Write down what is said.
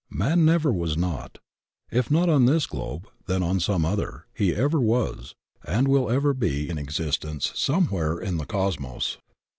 Man never was not. If not on this globe, then on some other, he ever was, and will ever be in existence somewhere in the Cosmos.